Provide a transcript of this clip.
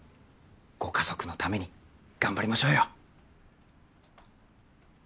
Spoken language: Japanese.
ご家族のために頑張りましょうよ